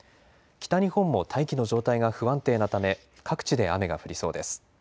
北日本も大気の状態が不安定なため各地で雨が降りそうです。